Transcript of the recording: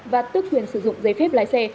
và tước quyền sử dụng giấy phép lái xe